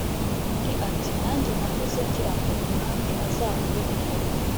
undi ati: ‘nanjye nahoze ngira ngo umwami azakwemera,